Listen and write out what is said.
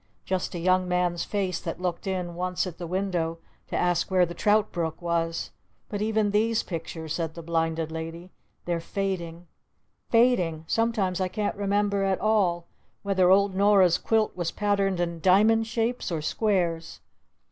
Just a young man's face that looked in once at the window to ask where the trout brook was! But even these pictures," said the Blinded Lady, "They're fading! Fading! Sometimes I can't remember at all whether old Nora's quilt was patterned in diamond shapes or squares.